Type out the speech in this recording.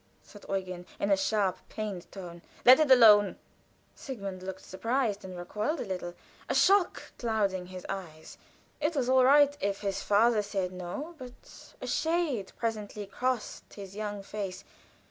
said Eugen, in a sharp, pained tone. "Let it alone." Sigmund looked surprised, and recoiled a little; a shock clouding his eyes. It was all right if his father said no, but a shade presently crossed his young face.